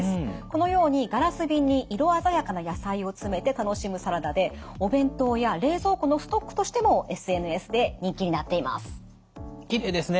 このようにガラス瓶に色鮮やかな野菜を詰めて楽しむサラダでお弁当や冷蔵庫のストックとしてもＳＮＳで人気になっています。